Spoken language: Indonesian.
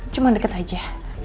cuma deket aja